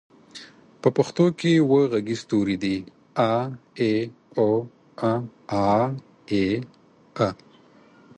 په پښتو کې اووه غږيز توري دي: اَ، اِ، اُ، اٗ، اٰ، اٖ، أ.